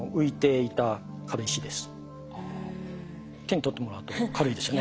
手に取ってもらうと軽いですよね。